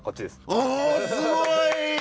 あすごい！